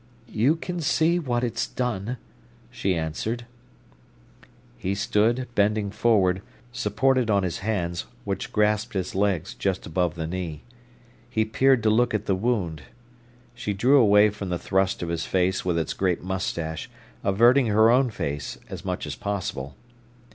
"You can see what it's done," she answered. He stood, bending forward, supported on his hands, which grasped his legs just above the knee. He peered to look at the wound. She drew away from the thrust of his face with its great moustache, averting her own face as much as possible.